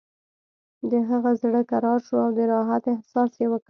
د هغه زړه کرار شو او د راحت احساس یې وکړ